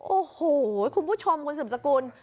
โอ้โหคุณผู้ชมคุณสืบสกุล